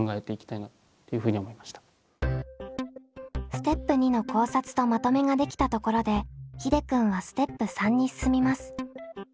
ステップ２の考察とまとめができたところでひでくんはステップ３に進みます。